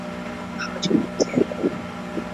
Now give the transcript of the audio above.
好久不见。